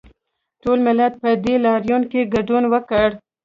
ټول ملت په دې لاریون کې ګډون وکړ